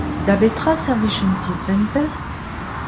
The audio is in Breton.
Da betra servij un tizhventer ?